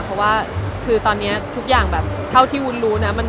เพราะว่าคือตอนนี้ทุกอย่างแบบเท่าที่วุ้นรู้นะ